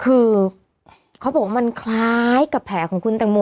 คือเขาบอกว่ามันคล้ายกับแผลของคุณตังโม